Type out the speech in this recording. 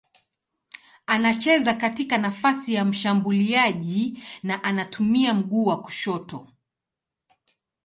Anacheza katika nafasi ya mshambuliaji na anatumia mguu wa kushoto.